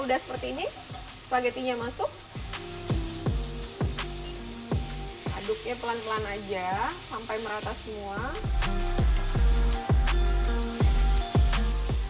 udah seperti ini spagettinya masuk aduknya pelan pelan aja sampai merata semua masukin rendangnya juga